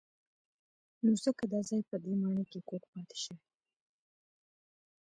نو ځکه دا ځای په دې ماڼۍ کې کوږ پاتې شوی.